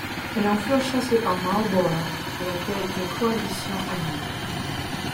Elles en furent chassées par Marlborough, à la tête d'une coalition alliée.